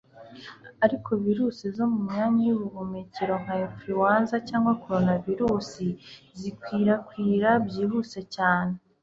ariko virusi zo mu myanya y'ubuhumekero nka 'influenza' cyangwa coronavirus zikwirakwira byihuse cyane.